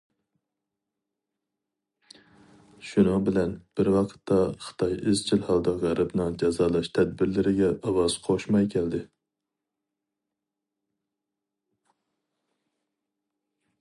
شۇنىڭ بىلەن بىر ۋاقىتتا خىتاي ئىزچىل ھالدا غەربنىڭ جازالاش تەدبىرلىرىگە ئاۋاز قوشماي كەلدى.